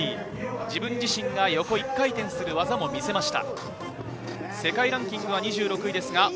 自分自身が横１回転する技を見せました。